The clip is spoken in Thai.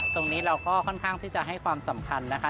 ตรงนี้เราก็ค่อนข้างที่จะให้ความสำคัญนะคะ